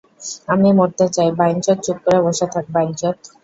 আমি মরতে চাই, বাইনচোদ চুপ করে বসে থাক বাইনচোদ।